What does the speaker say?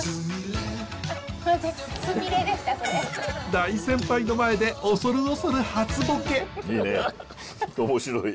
大先輩の前で恐る恐る初ボケ。